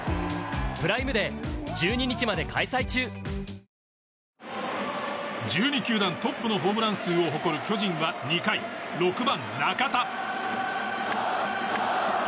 うまクリアアサヒイェーイ１２球団トップのホームラン数を誇る巨人は２回６番、中田。